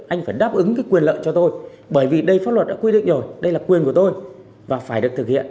anh phải đáp ứng cái quyền lợi cho tôi bởi vì đây pháp luật đã quy định rồi đây là quyền của tôi và phải được thực hiện